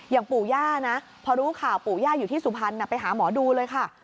ปู่ย่านะพอรู้ข่าวปู่ย่าอยู่ที่สุพรรณไปหาหมอดูเลยค่ะ